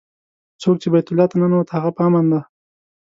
څوک چې بیت الله ته ننوت هغه په امن دی.